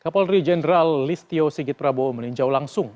kapolri jenderal listio sigit prabowo meninjau langsung